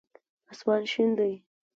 آسمان شين دی.